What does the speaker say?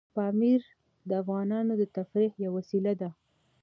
پامیر د افغانانو د تفریح یوه وسیله ده.